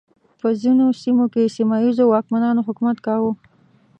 په ځینو سیمو کې سیمه ییزو واکمنانو حکومت کاوه.